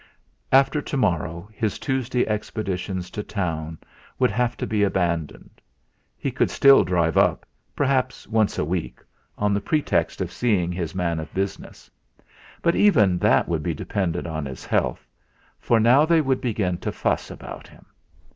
After to morrow his Tuesday expeditions to town would have to be abandoned. He could still drive up, perhaps, once a week, on the pretext of seeing his man of business. But even that would be dependent on his health, for now they would begin to fuss about him.